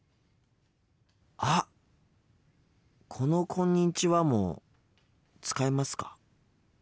あっこの「こんにちは」も使いますか？